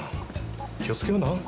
気を付けような。